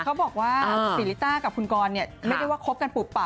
เขาบอกว่าซีริต้ากับคุณกรเนี่ยไม่ได้ว่าคบกันปุปับนะคะ